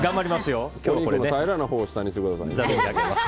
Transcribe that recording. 平らなほうを下にしてくださいね。